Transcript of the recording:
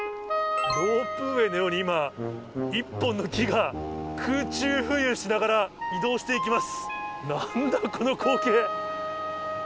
ロープウエーのように今、１本の木が空中浮遊しながら移動していきます。